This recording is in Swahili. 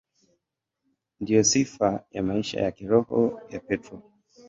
Ndiyo sifa ya maisha ya kiroho ya Petro.